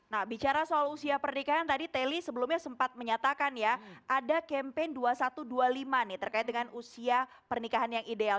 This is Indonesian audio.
nah bicara soal usia pernikahan tadi teli sebelumnya sempat menyatakan ya ada campaign dua ribu satu ratus dua puluh lima nih terkait dengan usia pernikahan yang ideal